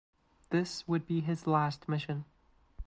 This would be his last mission.